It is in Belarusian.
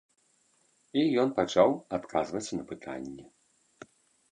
І ён пачаў адказваць на пытанні.